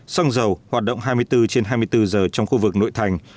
xăng dầu hoạt động hai mươi bốn trên hai mươi bốn giờ trong khu vực nội thành